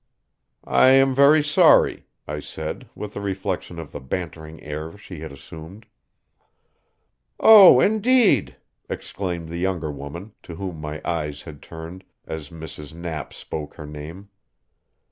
"I am very sorry," I said, with a reflection of the bantering air she had assumed. "Oh, indeed!" exclaimed the younger woman, to whom my eyes had turned as Mrs. Knapp spoke her name.